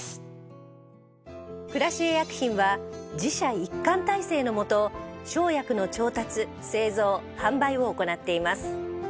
クラシエ薬品は自社一貫体制のもと生薬の調達製造販売を行っています